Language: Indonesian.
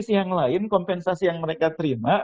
siang lain kompensasi yang mereka terima